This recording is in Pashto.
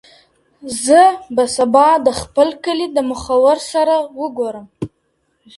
زه به سبا د خپل کلي د مخور سره وګورم.